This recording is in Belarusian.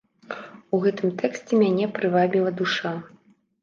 У гэтым тэксце мяне прывабіла душа.